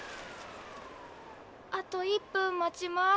あと１分待ちます。